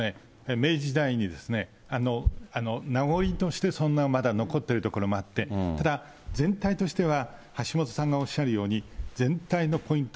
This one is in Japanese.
明治時代に、名残として、そんなのがまだ残っているところがあって、ただ全体としては、橋下さんがおっしゃるように、全体のポイント